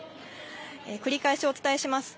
繰り返しお伝えします。